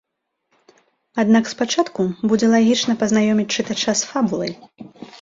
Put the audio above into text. Аднак спачатку будзе лагічна пазнаёміць чытача з фабулай.